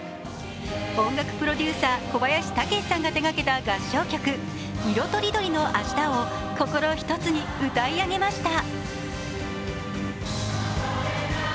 音楽プロデューサー・小林武史さんが手がけた合唱曲「いろとりどりのあした」を心一つに歌い上げました。